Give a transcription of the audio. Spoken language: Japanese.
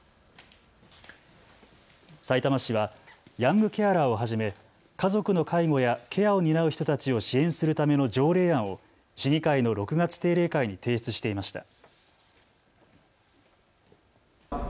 さいたま市はヤングケアラーをはじめ家族の介護やケアを担う人たちを支援するための条例案を市議会の６月定例会に提出していました。